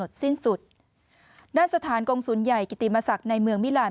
สิ้นสุดด้านสถานกงศูนย์ใหญ่กิติมศักดิ์ในเมืองมิลาน